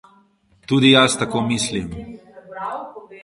Tudi jaz tako mislim.